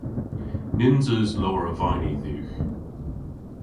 Nyns eus lowr a vayni dhywgh.